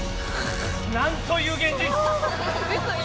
なんという現実！